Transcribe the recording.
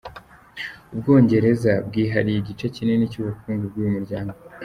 U Bwongereza bwihariye igice kinini cy’ubukungu bw’uyu muryango.